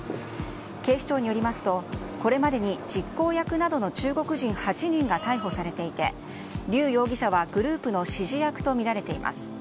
警視庁によりますと、これまでに実行役などの中国人８人が逮捕されていて、リュウ容疑者はグループの指示役とみられています。